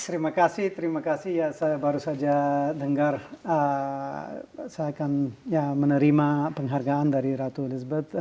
terima kasih terima kasih ya saya baru saja dengar saya akan menerima penghargaan dari ratu elizabeth